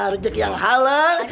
rejeki yang halal